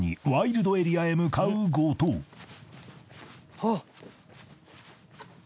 あっ。